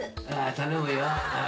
頼むよ。